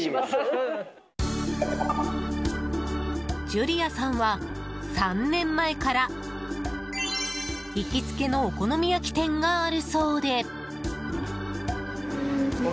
ジュリアさんは３年前から行きつけのお好み焼き店があるそうで。